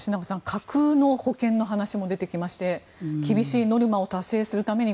架空の保険の話も出てきまして厳しいノルマを達成するために